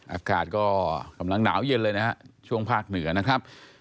อากาศก็กำลังหนาวเย็นเลยนะฮะช่วงภาคเหนือนะครับ